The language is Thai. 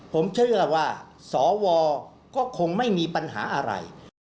ผมเชื่อว่าสวก็คงไม่มีปัญหาอะไร